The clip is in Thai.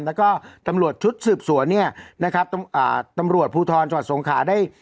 แล้วก็ตำรวจชุดสืบสวนเนี่ยนะครับอ่าตำรวจภูทรจังหวัดสงขาได้